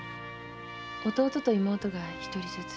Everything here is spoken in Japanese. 弟と妹が一人ずつ。